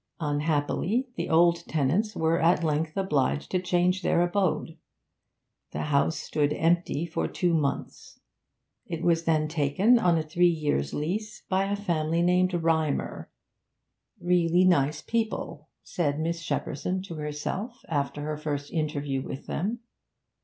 Unhappily, the old tenants were at length obliged to change their abode. The house stood empty for two months; it was then taken on a three years' lease by a family named Rymer really nice people, said Miss Shepperson to herself after her first interview with them.